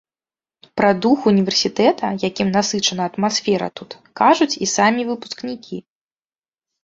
Пра дух універсітэта, якім насычана атмасфера тут, кажуць і самі выпускнікі.